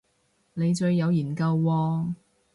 你最有研究喎